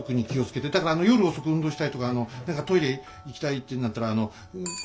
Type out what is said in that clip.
だから夜遅く運動したりとかあの何かトイレ行きたいっていうんだったらあの。